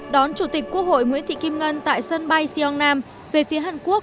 đón chủ tịch quốc hội nguyễn thị kim ngân tại sân bay siong nam về phía hàn quốc